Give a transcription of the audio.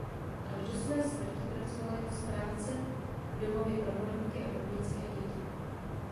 Až do své smrti pracoval jako správce v domově pro horníky a hornické děti.